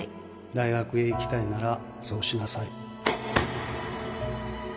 大学へ行きたいならそうしなさい